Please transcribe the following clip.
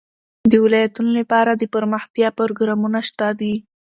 د ولایتونو لپاره دپرمختیا پروګرامونه شته دي.